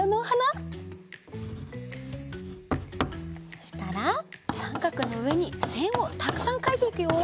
そしたらさんかくのうえにせんをたくさんかいていくよ。